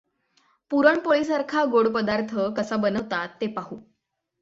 पुरण पोळी सारखा गोड पदार्थ कसा बनवतात ते पाहू